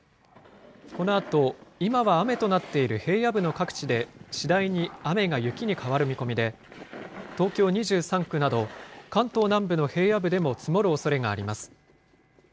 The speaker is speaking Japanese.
このあと、今は雨となっている平野部の各地で、次第に雨が雪に変わる見込みで、東京２３区など、関東南部の平野部でも積もるおそれがあります。